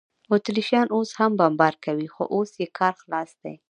اتریشیان اوس هم بمبار کوي، خو اوس یې کار خلاص دی.